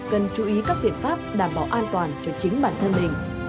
cần chú ý các biện pháp đảm bảo an toàn cho chính bản thân mình